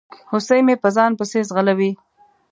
هوسۍ مې په ځان پسي ځغلوي